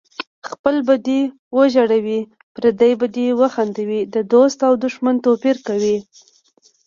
خپل به دې وژړوي پردی به دې وخندوي د دوست او دښمن توپیر کوي